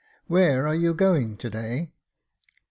Where are you going to day .''